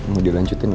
mau dilanjutin ga